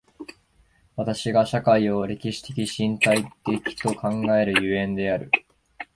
私が社会を歴史的身体的と考える所以である。